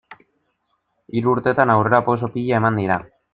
Hiru urtetan aurrerapauso pila eman dira.